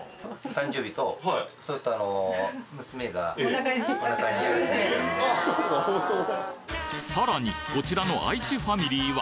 誕生日と、さらに、こちらの愛知ファミリーは。